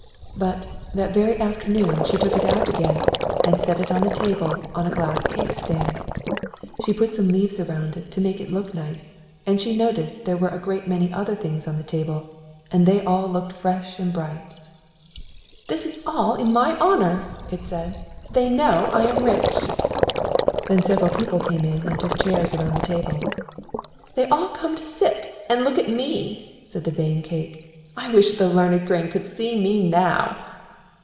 But, that very afternoon, she took it out again and set it on the table on a glass cake stand. She put some leaves around it to make it look nice, and it noticed there were a great many other things on the table, and they all looked fresh and bright. "This is all in my honour," it said. "They know I am rich." Then several people came in and took chairs around the table. "They all come to sit and look at me," said the vain cake. "I wish the learned grain could see me now."